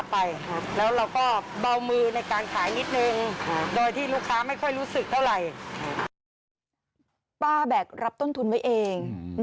แบกรับต้นทุนไว้เอง